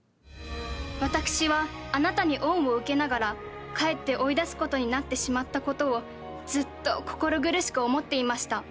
私はあなたに恩を受けながらかえって追い出すことになってしまったことをずっと心苦しく思っていました。